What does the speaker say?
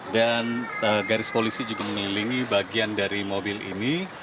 dan garis polisi juga mengelilingi bagian dari mobil ini